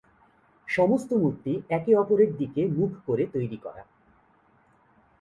সমস্ত মূর্তি একে অপরের দিকে মুখ করে তৈরী করা।